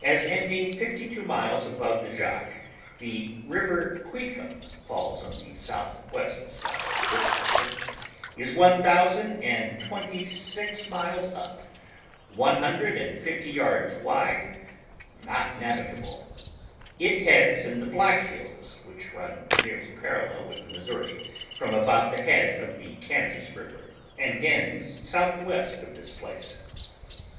As. ending fifty two miles above the Jacque, the river Qnicum falls on the south west side cf this river, is one thousand arid twenty six miles up, one hun dred and fifty yards wide, not navigable; it heads in the IJlack Hills which run nearly parallel with the Missouri from about the head of the Kanzas river, and ends south west of this place.